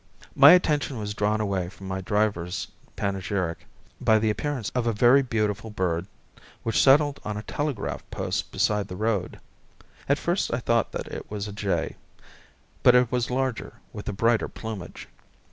My attention was drawn away from my driver's panegyric by the appearance of a very beautiful bird which settled on a telegraph post beside the road. At first I thought that it was a jay, but it was larger, with a brighter plumage.